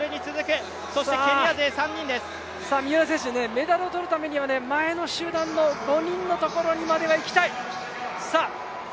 メダルを取るためには前の集団の５人のところまではいきたい。